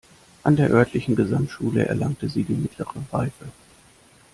An der örtlichen Gesamtschule erlangte sie die mittlere Reife.